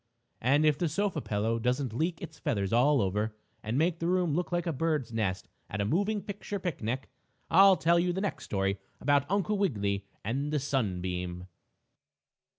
And if the sofa pillow doesn't leak its feathers all over, and make the room look like a bird's nest at a moving picture picnic, I'll tell you in the next story about Uncle Wiggily and the sunbeam.